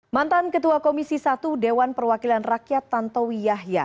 mantan ketua komisi satu dewan perwakilan rakyat tantowi yahya